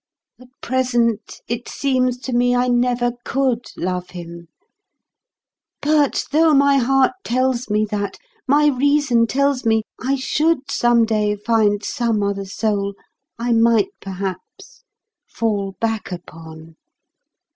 At present it seems to me I never could love him. But though my heart tells me that, my reason tells me I should some day find some other soul I might perhaps fall back upon.